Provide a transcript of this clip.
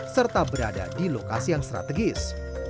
serta berada di lokasi yang strategis